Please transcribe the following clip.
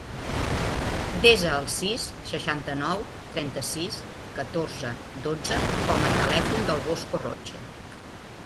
Desa el sis, seixanta-nou, trenta-sis, catorze, dotze com a telèfon del Bosco Roche.